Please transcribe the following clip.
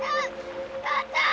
母ちゃん！